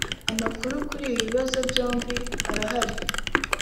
Amakuru kuri ibi bibazo byombi arahari